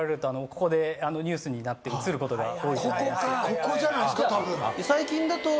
ここじゃないですかたぶん。